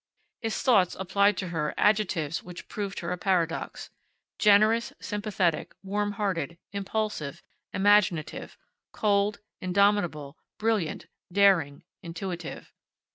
His thoughts applied to her adjectives which proved her a paradox: Generous, sympathetic, warm hearted, impulsive, imaginative; cold, indomitable, brilliant, daring, intuitive.